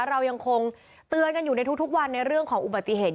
เรายังคงเตือนกันอยู่ในทุกวันในเรื่องของอุบัติเหตุ